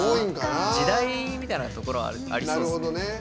時代みたいなところはありそうですね。